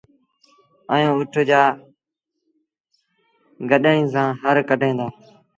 ائيٚݩ اُٺ جآݩ گڏئيٚن سآݩ هر ڪڍين دآ